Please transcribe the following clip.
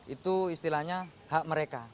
itu istilahnya hak mereka